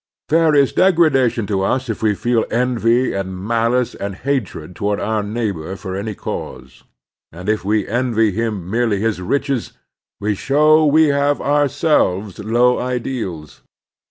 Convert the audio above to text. There is degradation to us if we feel envy and malice and hatred toward our neighbor for any cause ; and if we envy him merely his riches, we show we have ourselves low ideals.